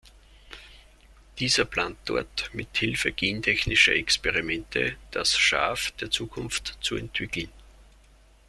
Dieser plant dort mit Hilfe gentechnischer Experimente das „Schaf der Zukunft“ zu entwickeln.